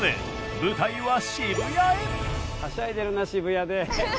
はしゃいでるな渋谷で。